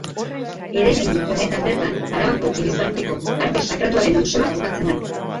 Eraikin honetan bertan Arabako Elizbarrutiko Arte Sakratuaren Museoa kokatzen da.